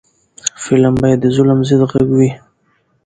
فلم باید د ظلم ضد غږ وي